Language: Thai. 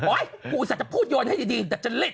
หูสัตว์จะพูดโยนให้ดีแต่จะหลิด